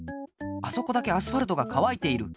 あそこだけアスファルトがかわいている。